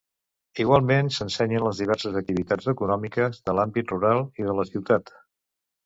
Igualment, s'ensenyen les diverses activitats econòmiques de l'àmbit rural i de la ciutat.